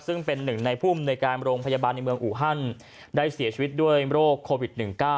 ซึ่งเป็นหนึ่งในผู้อำนวยการโรงพยาบาลในเมืองอูฮันได้เสียชีวิตด้วยโรคโควิด๑๙